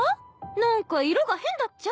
何か色が変だっちゃ。